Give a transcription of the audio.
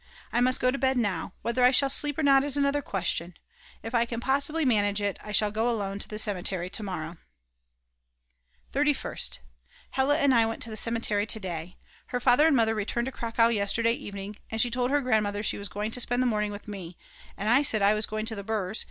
I must go to bed now; whether I shall sleep or not is another question. If I can possibly manage it, I shall go alone to the cemetery to morrow. 31st. Hella and I went to the cemetery to day. Her father and mother returned to Cracow yesterday evening, and she told her grandmother she was going to spend the morning with me, and I said I was going to the Brs.